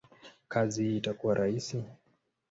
kazi hii itakuwa rahisi?